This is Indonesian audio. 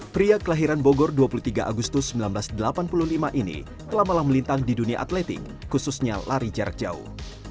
pria kelahiran bogor dua puluh tiga agustus seribu sembilan ratus delapan puluh lima ini telah malah melintang di dunia atletik khususnya lari jarak jauh